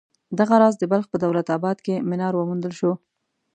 دغه راز د بلخ په دولت اباد کې منار وموندل شو.